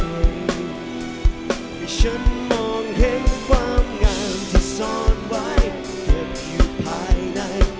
ฉันมองเห็นความงามที่ซ่อนไว้เต็มอยู่ภายใน